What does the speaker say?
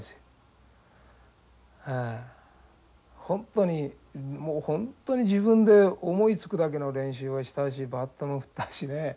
本当にもう本当に自分で思いつくだけの練習をしたしバットも振ったしね。